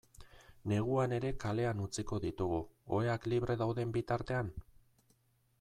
Neguan ere kalean utziko ditugu, oheak libre dauden bitartean?